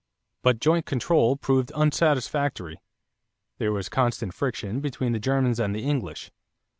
But joint control proved unsatisfactory. There was constant friction between the Germans and the English.